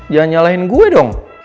jangan nyalahin gue dong